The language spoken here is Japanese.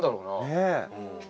ねえ。